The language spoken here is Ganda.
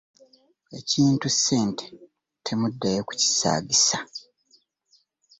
Ekintu ssente temuddayo kukisaagisa.